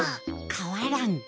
かわらん。